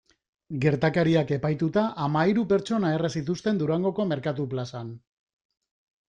Gertakariak epaituta hamahiru pertsona erre zituzten Durangoko merkatu plazan.